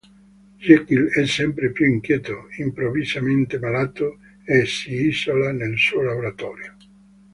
Jekyll è sempre più inquieto, improvvisamente malato e si isola nel suo laboratorio.